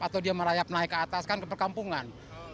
atau dia merayap naik ke atas kan ke perkampungan